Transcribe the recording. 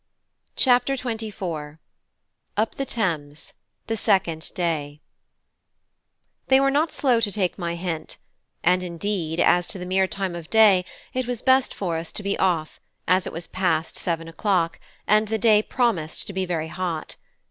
CHAPTER XXIV: UP THE THAMES: THE SECOND DAY They were not slow to take my hint; and indeed, as to the mere time of day, it was best for us to be off, as it was past seven o'clock, and the day promised to be very hot.